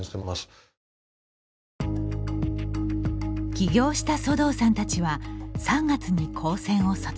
起業したソドーさんたちは３月に高専を卒業。